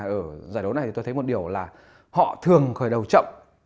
ở giải đấu này tôi thấy một điều là họ thường khởi đầu chậm